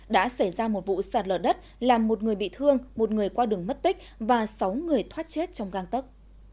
đã xảy ra một vụ sạt lở đất làm một người bị thương một người qua đường mất tích và sáu người thoát chết trong găng tấc